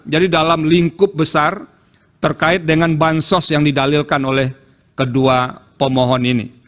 jadi dalam lingkup besar terkait dengan bansos yang didalilkan oleh kedua pemohon ini